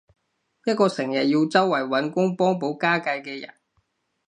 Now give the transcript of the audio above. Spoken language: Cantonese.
一個成日要周圍搵工幫補家計嘅人